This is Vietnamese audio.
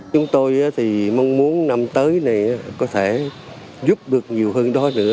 chúng tôi mong muốn năm tới này có thể giúp được nhiều hơn